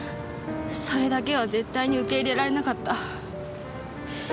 それだけは絶対に受け入れられなかった。